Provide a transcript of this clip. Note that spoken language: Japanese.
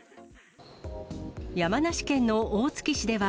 山梨県の大月市では、